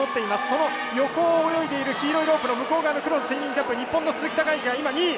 その横を泳いでいる黄色いロープの向こう側の黒のスイミングキャップ日本の鈴木孝幸が今２位。